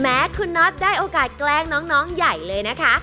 คุณน็อตได้โอกาสแกล้งน้องใหญ่เลยนะคะ